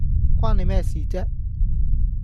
關你咩事啫？